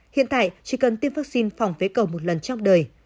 hiện tại chỉ cần tiêm vaccine phòng phế cầu một lần trong đời